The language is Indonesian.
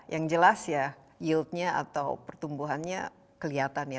yang jelas ya yield nya atau pertumbuhannya kelihatan ya